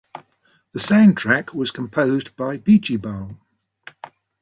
The soundtrack was composed by Bijibal.